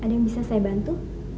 ada yang bisa saya bantu